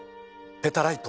ペタライト！